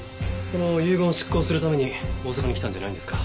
その遺言を執行するために大阪に来たんじゃないんですか？